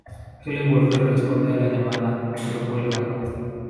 Helen Walker responde la llamada, pero cuelga.